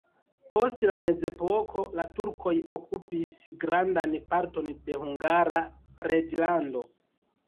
Post la mezepoko la turkoj okupis grandan parton de Hungara reĝlando.